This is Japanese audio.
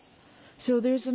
そうですね。